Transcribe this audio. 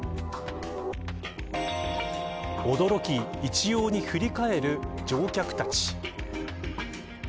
驚き、一様に振り返る乗客たち。